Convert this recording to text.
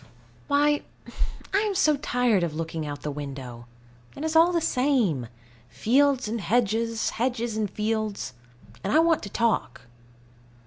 Why, I am so tired of looking out of the window. It is all the same: fields and hedges, hedges and fields; and I want to talk.